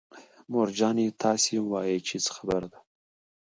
مور جانې تاسو ووايئ چې څه خبره ده.